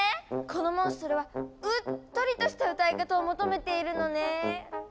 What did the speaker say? このモンストロはうっとりとした歌い方を求めているのね。